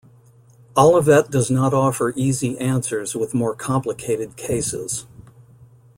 Olivet does not offer easy answers with more complicated cases.